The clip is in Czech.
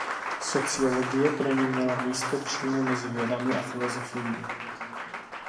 Sociologie pro ni měla místo přímo mezi vědami a filozofií.